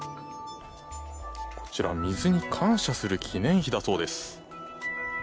こちら、水に感謝する記念碑だそうです。